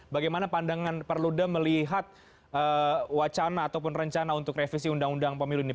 bagaimana pandangan perludem melihat wacana ataupun rencana untuk revisi undang undang pemilu ini